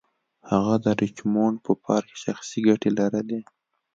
هغه د ریچمونډ په پارک کې شخصي ګټې لرلې.